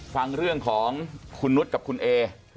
ฟังเรื่องของคุณนุษย์กับคุณเอ